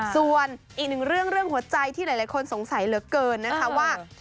ส่วนอีกหนึ่งเรื่องเรื่องหัวใจที่หลายคนสงสัยเหลือเกินนะคะว่า